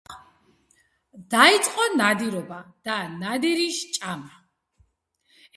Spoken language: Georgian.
დაიწყო ნადირობა და ნადირის ჭამა.